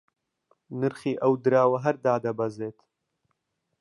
نرخی ئەو دراوە هەر دادەبەزێت